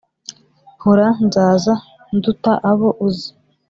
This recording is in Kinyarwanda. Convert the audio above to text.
hora nzaza nduta abo uzi